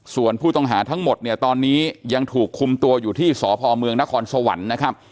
ส่วนผู้ต้องหาทั้งหมดเนี่ยตอนนี้ยังถูกคุมตัวอยู่ที่สพเมืองนครสวรรค์นะครับ